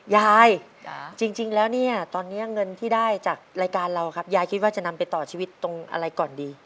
ยายจริงแล้วเนี่ยตอนนี้เงินที่ได้จากรายการเราครับยายคิดว่าจะนำไปต่อชีวิตตรงอะไรก่อนดี